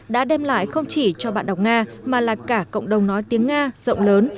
đã đem lại không chỉ cho bạn đọc nga mà là cả cộng đồng nói tiếng nga rộng lớn